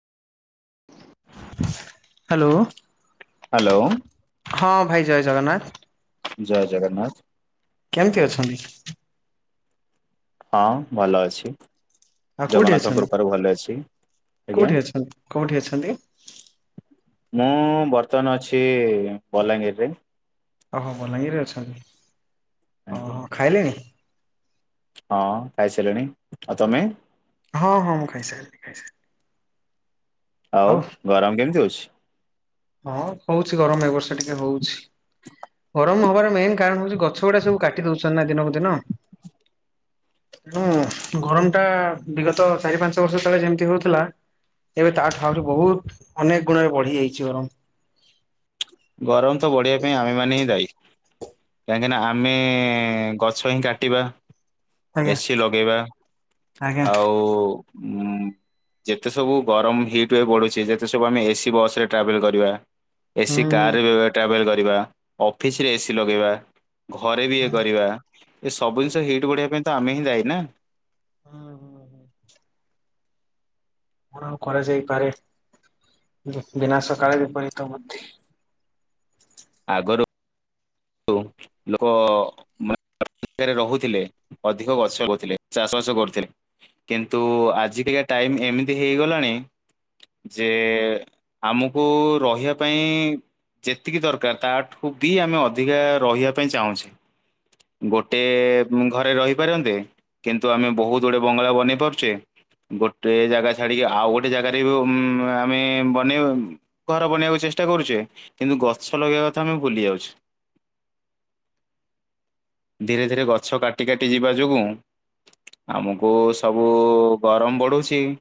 Hello. Hello. ହଁ ଭାଇ ଜୟ ଜଗନ୍ନାଥ। ଜୟ ଜଗନ୍ନାଥ। କେମତି ଅଛନ୍ତି? ହଁ ଭଲ ଅଛି। ଆଉ କୋଉଠି ଜଗନ୍ନାଥଙ୍କ ଅଛନ୍ତି? କୃପାରୁ ଭଲ ଅଛି। ଆଜ୍ଞା। କୋଉଠି ଅଛନ୍ତି କୋଉଠି ଅଛନ୍ତି ମୁଁ ବର୍ତ୍ତମାନ ଅଛି ବଲାଙ୍ଗୀରରେ। ଓହୋ ବଲାଙ୍ଗୀରେ ଅଛନ୍ତି। ଆଜ୍ଞା ଓହୋ ଖାଇଲେଣି? ହଁ ଖାଇସାରିଲିଣି। ଆଉ ତମେ? ହଁ ହଁ ମୁଁ ଖାଇସାରିଲି ଖାଇସାରିଲି। ଆଉ ଗରମ କେମିତି ହଉଛି? ହଁ ହଉଛି ଗରମ ଏ ବର୍ଷ ଟିକେ ହଉଛି। ଗରମ ହବାର ମେନ୍ କାରଣ ହଉଛି ଗ ଛ ଗୁଡା ସବୁ କାଟି ଦଉଛନ୍ତି ନା ଦିନକୁ ଦିନ। ତେଣୁ ଗରମ ଟା ବିଗତ ଚାରି ପାଞ୍ଚ ବର୍ଷ ତଳେ ଯେମିତି ହଉଥିଲା। ଏବେ ତାଠୁ ଆଉରି ବହୁତ ଅନେକ ଗୁଣରେ ବଢି ଯାଇଛି ଗରମ। ଗରମ ବଢିବା ପାଇଁ ଆମେମାନେ ହିଁ ଦାୟୀ। କାହିଁକିନା ଆମେ ଗଛ ହିଁ କାଟିବା। ଆଜ୍ଞା ଏସି ଲଗେଇବା ଆଜ୍ଞା ଆଉ ଉ ଯେତେ ସବୁ ଗରମ ହିଟ୍ ୱେବ ବଢୁଛି ଯେତେ ସବୁ ଆମେ ଏସି ବସ୍ ରେ ଟ୍ରାଭେଲ କରିବା ଏସି ହୁଁ। କାରରେ ଟ୍ରାଭେଲ କରିବା। ଅଫିସରେ ଏସିି ଲଗେଇବା। ଘରେ ବି ଇଏ କରିବା। ଏ ସବୁ ଜିନିଷ ହିଟ୍ ବଢିବା ପାଇଁ ତ ଆମେ ହିଁ ଦାୟୀ ନା? ହୁଁ ହୁଁ ହୁଁ। କଣ ଆଉ କରାଯାଇପାରେ ବି-ବିନାଶ କାଳେ ବିପରୀତ ବୁଦ୍ଧି। ଆଗରୁ [unintelligible] [unintelligible] ଭିତରେ ରହୁଥିଲେ ଅଧିକ ଗଛ ଲଗଉଥିଲେ ଚାଷବାସ କରୁଥିଲେ। କିନ୍ତୁ ଆଜି କାଲିଆ ଟାଇମ ଏମିତି ହେଇଗଲାଣି। ଯେ ଆମକୁ ରହିବା ପାଇଁ ଯେତିକି ଦରକାର ତାଠୁ ବି ଆମେ ଅଧିକା ରହିବା ପାଇଁ ଚାହୁଁଛେ। ଗୋଟେ ଘରେ ରହିପାରନ୍ତେ। କିନ୍ତୁ ଆମେ ବହୁତ ଗୁଡେ ବଙ୍ଗଳା ବନେଇ ପାରୁଛେ। ଗୋଟେ ଜାଗା ଛାଡ଼ିକି ଆଉ ଗୋଟେ ଜାଗାରେ ବି ଆମେ ବନେଇ ଘର ବନେଇବାକୁ ଚେଷ୍ଟା କରୁଛେ କିନ୍ତୁ ଗଛ ଲଗେଇବା କଥା ଆମେ ଭୁଲି ଯାଉଛେ। ଧୀରେ ଧୀରେ ଗଛ କାଟି କାଟି ଯିବା ଯୋଗୁଁ ଆମକୁ ସବୁ ଗରମ ବଢୁଛି।